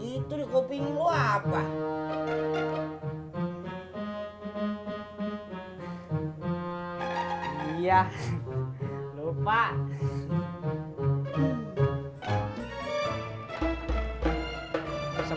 itu di kopi dulu apa